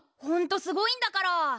ほんとすごいんだから。